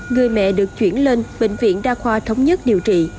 người mẹ được chuyển lên bệnh viện đa khoa thống nhất điều trị